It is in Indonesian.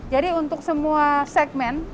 jadi untuk semua segmen